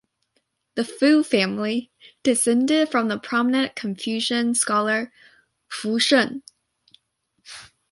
The Fu family descended from the prominent Confucian scholar Fu Sheng.